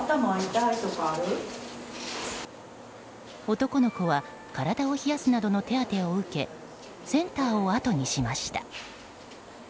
男の子は体を冷やすなどの手当てを受けセンターをあとにしました。